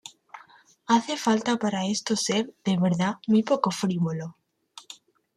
Hace falta para esto ser, de verdad, muy poco frívolo".